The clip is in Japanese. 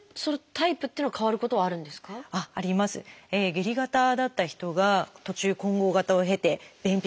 下痢型だった人が途中混合型を経て便秘型になる。